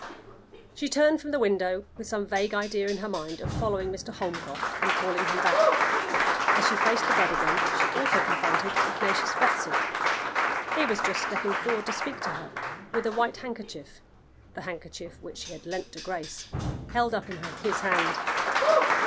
She turned from the window with some vague idea in her mind of following Mr. Holmcroft and calling him back. As she faced the bed again she also confronted Ignatius Wetzel. He was just stepping forward to speak to her, with a white handkerchief the handkerchief which she had lent to Grace held up in his hand.